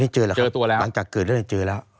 เจอตัวแล้ว